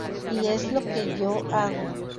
Y es lo que yo hago.